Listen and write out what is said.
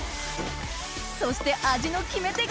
そして味の決め手が？